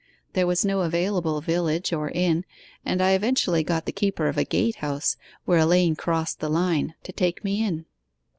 There was no available village or inn, and I eventually got the keeper of a gate house, where a lane crossed the line, to take me in.